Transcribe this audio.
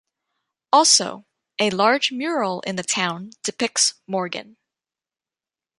Also, a large mural in the town depicts Morgan.